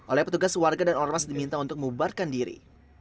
oleh petugas warga dan orang mas diminta untuk membaharkan diri